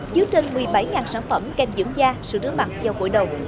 dưới trên một mươi bảy sản phẩm kem dưỡng da sữa đứa mặt dao cổi đầu